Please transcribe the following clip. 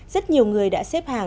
rất nhiều người đã xếp hàng